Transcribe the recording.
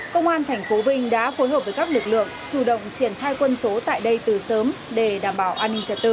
công an tp vinh đã phối hợp với các lực lượng chủ động triển khai quân số tại đây từ sớm để đảm bảo an ninh trật tự